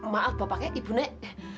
maaf bapaknya ibu nek